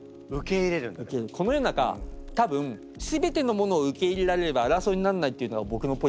この世の中多分すべてのものを受け入れられれば争いになんないっていうのが僕のポリシー。